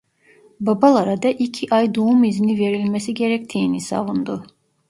Babalara da iki ay doğum izni verilmesi gerektiğini savundu.